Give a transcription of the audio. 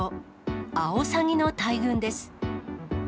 アオサギの大群です。